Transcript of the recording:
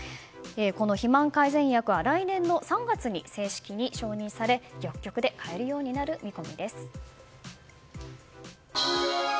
この肥満改善薬は来年３月に正式に承認され薬局で買えるようになる見込みです。